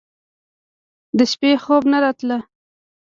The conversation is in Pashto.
د شپې خوب نه راتلو.